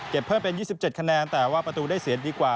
เพิ่มเป็น๒๗คะแนนแต่ว่าประตูได้เสียดีกว่า